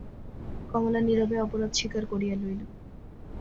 কমলা নীরবে অপরাধ স্বীকার করিয়া লইল।